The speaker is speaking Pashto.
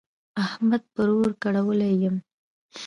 احمد پر اور کړولی يم.